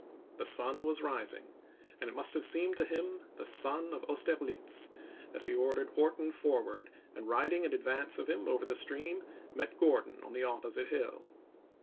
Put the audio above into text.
The sun was rising, and it must have seemed to him the sun of Austerlitz, as he ordered Wharton forward and riding in advance of him over the stream met Gordon on the opposite hill.